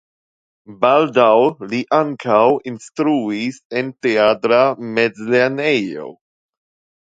Baldaŭ li ankaŭ instruis en teatra mezlernejo.